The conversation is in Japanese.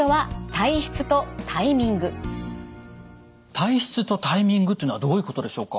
体質とタイミングっていうのはどういうことでしょうか？